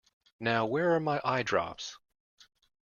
Now, where are my eyedrops?